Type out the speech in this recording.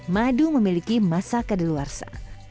madu memiliki masa kedeluarsa